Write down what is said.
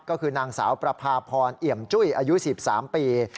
ก็คือนางสาวประพาพรเอี่ยมจุ้ยอายุ๑๓ปี